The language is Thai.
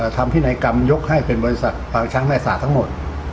พินัยกรรมยกให้เป็นบริษัทปางช้างแม่สาทั้งหมด